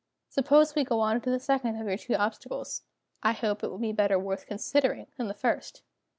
Suppose we go on to the second of your two obstacles. I hope it will be better worth considering than the first."